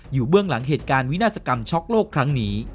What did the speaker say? เบื้องหลังเหตุการณ์วินาศกรรมช็อกโลกครั้งนี้